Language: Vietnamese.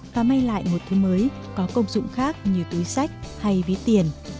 và may lại một thứ mới có công dụng khác như túi sách hay ví tiền